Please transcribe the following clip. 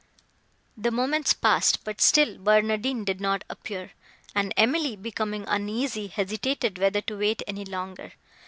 The moments passed, but still Barnardine did not appear; and Emily, becoming uneasy, hesitated whether to wait any longer.